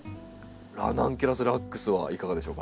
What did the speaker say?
ラナンキュラスラックスはいかがでしょうか？